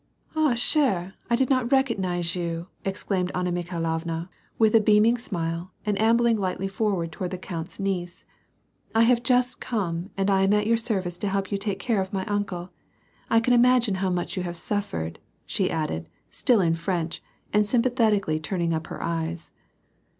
"Ah, chere, I did not recognize you," exclaimed Anna Mi khailovna, with a beaming smile and ambling lightly forward toward the count's niece. " I have just come, and 1 am at your service to help you take care of my uncle. 1 can imagine how much yoxi have suffered," t she added, still in French, and sympathetically turning up her eyes.